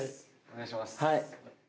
・お願いします。